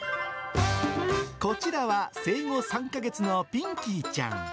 こちらは生後３か月のピンキーちゃん。